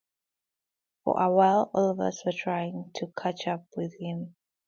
For a while, all of us were trying to catch up with him.